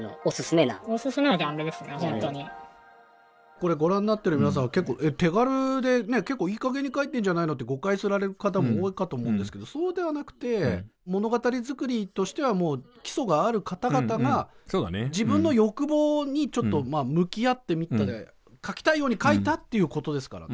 これご覧になってる皆さんは結構手軽でね結構いいかげんに書いてるんじゃないのって誤解される方も多いかと思うんですけどそうではなくて物語作りとしては基礎がある方々が自分の欲望にちょっと向き合ってみて書きたいように書いたっていうことですからね。